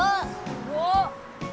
すごっ！